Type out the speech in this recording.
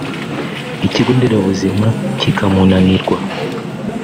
Ikigo Nderabuzima kikamunanirwa